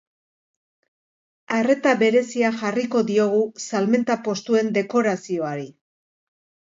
Arreta berezia jarriko diogu salmenta postuen dekorazioari.